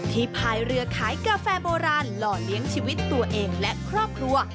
พายเรือขายกาแฟโบราณหล่อเลี้ยงชีวิตตัวเองและครอบครัว